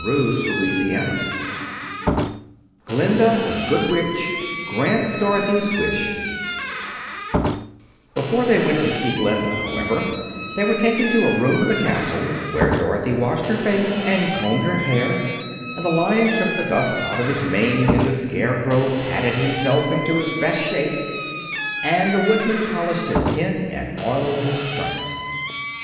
Chapter XXIII Glinda The Good Witch Grants Dorothy's Wish Before they went to see Glinda, however, they were taken to a room of the Castle, where Dorothy washed her face and combed her hair, and the Lion shook the dust out of his mane, and the Scarecrow patted himself into his best shape, and the Woodman polished his tin and oiled his joints.